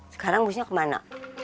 sekarang busnya kemana